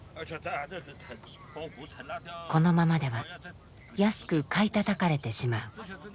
このままでは安く買いたたかれてしまう。